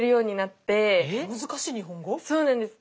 そうなんです。